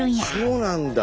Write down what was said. そうなんだ。